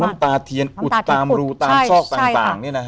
เอาน้ำตาเทียนอุดตามรูตามชอกต่างเนี่ยนะฮะ